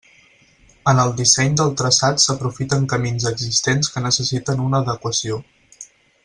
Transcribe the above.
En el disseny del traçat s'aprofiten camins existents que necessiten una adequació.